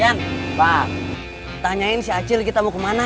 pak tanyain si acil kita mau kemana